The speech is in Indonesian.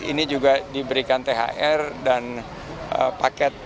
ini juga diberikan thr dan paket